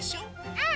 うん！